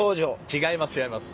違います違います。